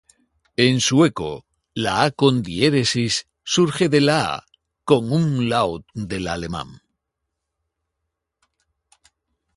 En sueco, la Ä surge de la A con umlaut del alemán.